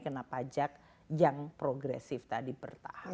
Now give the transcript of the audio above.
kena pajak yang progresif tadi bertahan